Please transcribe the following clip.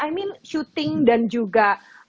i mean shooting dan juga